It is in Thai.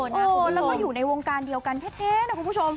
แล้วก็อยู่ในวงการเดียวกันแทบนะครับคุณผู้ชม